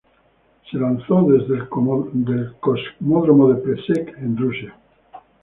Se lanzó desde el cosmódromo de Plesetsk en Rusia.